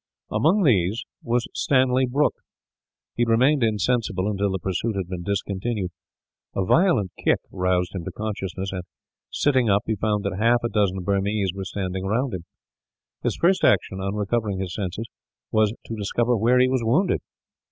Among these was Stanley Brooke. He had remained insensible, until the pursuit had been discontinued. A violent kick roused him to consciousness and, sitting up, he found that half a dozen Burmese were standing round him. His first action, on recovering his senses, was to discover where he was wounded.